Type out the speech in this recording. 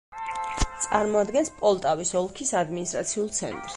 წარმოადგენს პოლტავის ოლქის ადმინისტრაციულ ცენტრს.